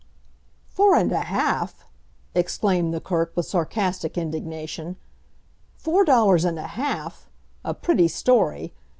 "Four and a half!" exclaimed the clerk, with sarcastic indignation; "Four dollars and a half! A pretty story!